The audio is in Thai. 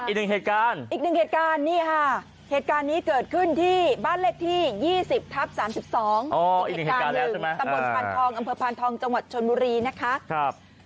อีกหนึ่งเหตุการณ์อีกหนึ่งเหตุการณ์นี่ค่ะเหตุการณ์นี้เกิดขึ้นที่บ้านเลขที่๒๐ทับ๓๒อีกเหตุการณ์หนึ่งตำบลพานทองอำเภอพานทองจังหวัดชนบุรีนะคะ